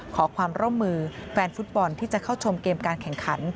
ขอความร่วมมือแฟนฟุตบอลที่จะเข้าชมเกมการแข่งขัน